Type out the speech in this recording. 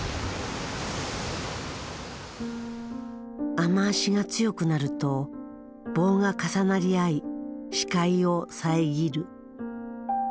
雨足が強くなると棒が重なり合い視界を遮る。